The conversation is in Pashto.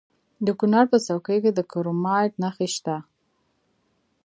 د کونړ په څوکۍ کې د کرومایټ نښې شته.